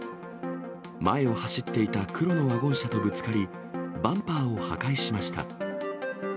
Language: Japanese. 前を走っていた黒のワゴン車とぶつかり、バンパーを破壊しました。